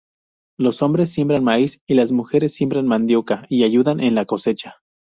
Los hombres siembran maíz y las mujeres siembran mandioca y ayudan en la cosecha.